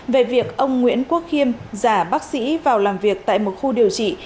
về việc ông nguyễn quốc khiêm giả bác sĩ vào làm việc tại một khu điều trị